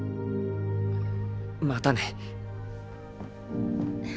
またね。